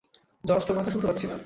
Josh, তোর কথা শুনতে পাচ্ছি না!